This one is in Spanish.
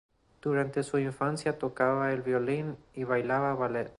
Durante su infancia tocaba el violín y bailaba ballet.